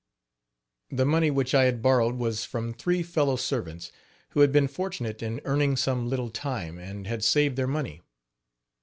The money which I had borrowed was from three fellow servants, who had been fortunate in earning some little time and had saved their money.